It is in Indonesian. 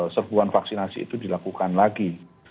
serbuan vaksinasi itu dilakukan lagi